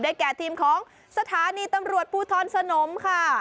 แก่ทีมของสถานีตำรวจภูทรสนมค่ะ